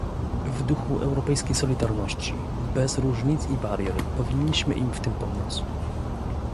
W duchu europejskiej solidarności, bez różnic i barier, powinniśmy im w tym pomóc